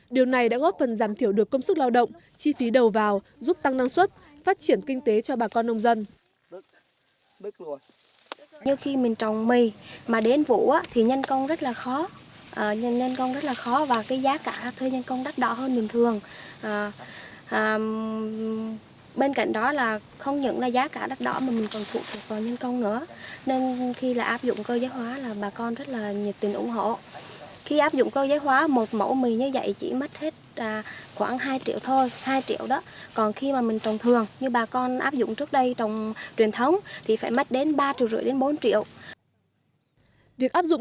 điều này đã góp phần giảm thiểu được công sức lao động chi phí đầu vào giúp tăng năng suất phát triển kinh tế cho bà con nông dân